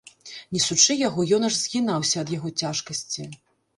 Несучы яго, ён аж згінаўся ад яго цяжкасці.